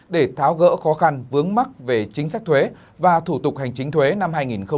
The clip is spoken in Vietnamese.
để tháo gỡ khó khăn vướng mắt về chính sách thuế và thủ tục hành chính thuế năm hai nghìn một mươi chín